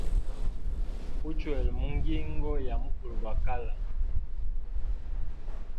Uchwela mungingo ya mukulu gwa kala.